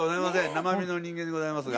生身の人間でございますが。